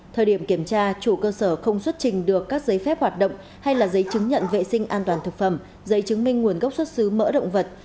thời điểm kiểm tra chủ cơ sở không xuất trình được các giấy phép hoạt động hay là giấy chứng nhận vệ sinh an toàn thực phẩm giấy chứng minh nguồn gốc xuất xứ mỡ động vật